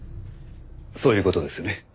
そういう事ですよね？